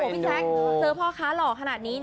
พี่สั๊คเสิร์ฟพ่อคะหล่อขนาดนี้